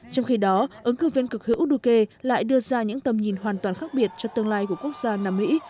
trong khi đó ứng cư viên cực hữu duque lại đưa ra những tầm nhìn hoàn toàn khác biệt cho tương lai của quốc gia nam mỹ